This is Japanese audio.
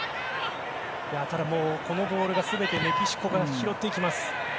ただ、このボールは全てメキシコが拾います。